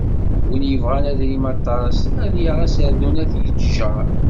Win yebɣan adrim aṭas, ad yaɣ aserdun ad yettjeṛ.